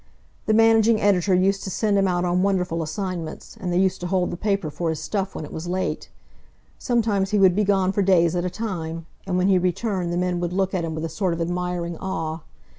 The managing editor used to send him out on wonderful assignments, and they used to hold the paper for his stuff when it was late. Sometimes he would be gone for days at a time, and when he returned the men would look at him with a sort of admiring awe.